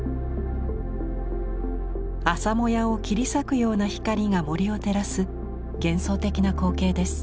朝もやを切り裂くような光が森を照らす幻想的な光景です。